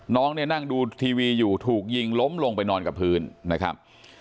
น้องเนี่ยนั่งดูทีวีอยู่ถูกยิงล้มลงไปนอนกับพื้นนะครับ